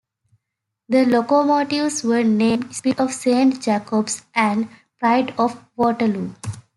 The locomotives were named "Spirit of Saint Jacobs" and "Pride of Waterloo".